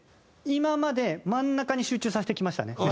今まで真ん中に集中させてきましたね目線を。